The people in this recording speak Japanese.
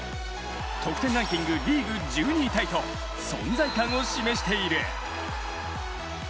得点ランキングリーグ１２位タイと存在感を示している。